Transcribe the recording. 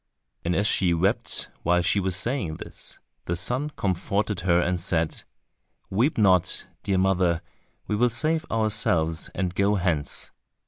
And as she wept while she was saying this, the son comforted her and said, "Weep not, dear mother, we will save ourselves, and go hence."